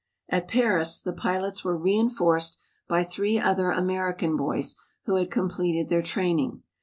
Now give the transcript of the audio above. At Paris the pilots were reënforced by three other American boys who had completed their training.